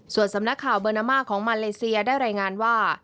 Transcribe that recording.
ส่วนสำนักข่าวเบอร์นามาของมาเลเซียได้รายงานว่า